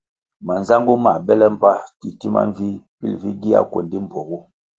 Manzangu mãh bele mbpa titima mvih pil vi gia kuendi mbpuogu.